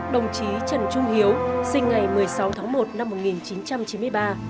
đồng chí trần trung hiếu sinh ngày một mươi sáu tháng một năm một nghìn chín trăm chín mươi ba